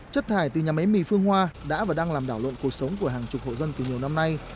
chất thải từ nhà máy mì phương hoa đã và đang làm đảo lộn cuộc sống của hàng chục hộ dân từ nhiều năm nay